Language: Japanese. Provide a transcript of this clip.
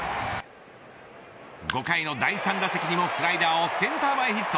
５回の第３打席にもスライダーをセンター前ヒット。